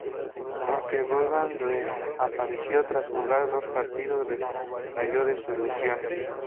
Aunque Vaughan reapareció, tras jugar dos partidos recayó de su lesión.